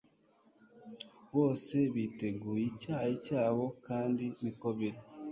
Bose biteguye icyayi cyabo kandi niko biri